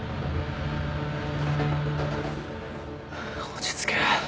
落ち着け。